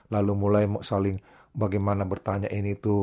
lalu mulai saling bagaimana bertanya ini itu